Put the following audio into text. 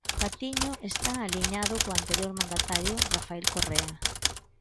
Patiño está aliñado co anterior mandatario, Rafael Correa.